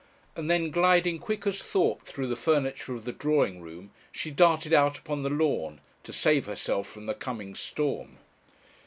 And then gliding quick as thought through the furniture of the drawing room, she darted out upon the lawn, to save herself from the coming storm.